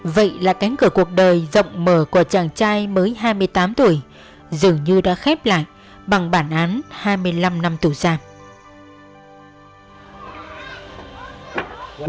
vậy là cánh cửa cuộc đời rộng mở của chàng trai mới hai mươi tám tuổi dường như đã khép lại bằng bản án hai mươi năm năm tù giảm